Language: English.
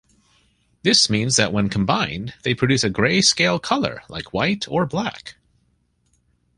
This means that when combined, they produce a gray-scale color like white or black.